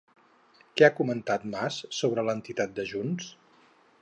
Què ha comentat Mas sobre l'entitat de Junts?